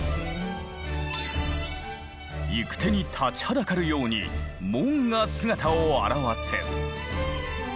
行く手に立ちはだかるように門が姿を現す。